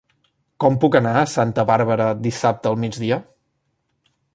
Com puc anar a Santa Bàrbara dissabte al migdia?